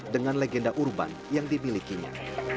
dengan legenda urban yang dimilikinya